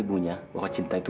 jangan sakitkan adit